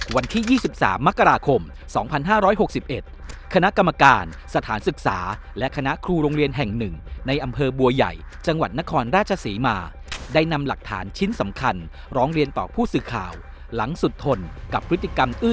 วันที่๒๓มกราคม๒๕๖๑คณะกรรมการสถานศึกษาและคณะครูโรงเรียนแห่งหนึ่งในอำเภอบัวใหญ่จังหวัดนครราชศรีมาได้นำหลักฐานชิ้นสำคัญร้องเรียนต่อผู้สื่อข่าวหลังสุดทนกับพฤติกรรมอื้อ